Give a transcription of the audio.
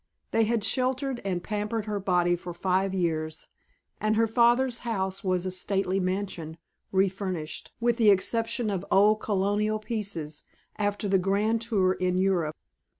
They had sheltered and pampered her body for five years, and her father's house was a stately mansion, refurnished, with the exception of old colonial pieces, after the grand tour in Europe.